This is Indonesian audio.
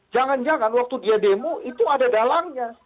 jangan jangan waktu dia demo itu ada dalangnya